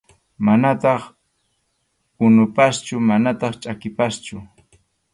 Manataq unupaschu manataq chʼakipaschu.